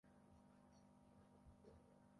burebies Makumbusho yote ya kitaifa ni bure unaweza